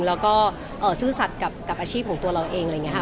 แล้วก็ซื่อสัตว์กับอาชีพของตัวเราเองอะไรอย่างนี้ค่ะ